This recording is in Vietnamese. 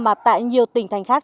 mà tại nhiều tỉnh thành khác